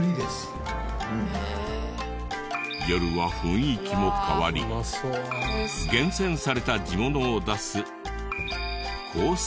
夜は雰囲気も変わり厳選された地物を出すコース